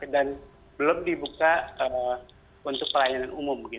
dan belum dibuka untuk pelayanan umum